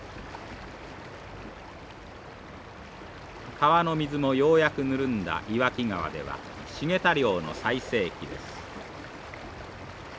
川の水もようやくぬるんだ岩木川ではシゲタ漁の最盛期です。